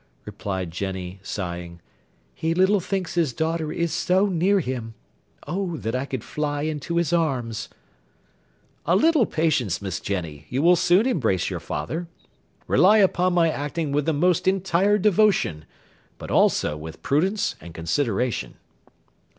replied Jenny, sighing; "he little thinks his daughter is so near him. Oh that I could fly into his arms!" "A little patience, Miss Jenny; you will soon embrace your father. Rely upon my acting with the most entire devotion, but also with prudence and consideration."